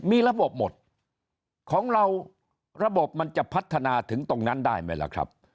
มีระบบหมดของเราระบบมันจะพัฒนาถึงตรงนั้นได้ไหมล่ะครับ